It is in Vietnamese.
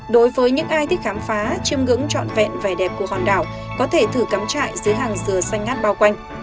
đối với những ai thích khám phá chiêm ngưỡng trọn vẹn vẻ đẹp của hòn đảo có thể thử cắm trại dưới hàng dừa xanh ngát bao quanh